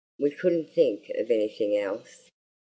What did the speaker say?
We couldn't think of anything else."